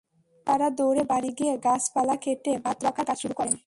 তখন তাঁরা দৌড়ে বাড়ি গিয়ে গাছপালা কেটে বাঁধ রক্ষার কাজ শুরু করেন।